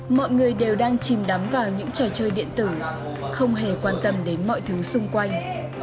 mọi người đều đang chìm đắm vào những trò chơi điện tử không hề quan tâm đến mọi thứ xung quanh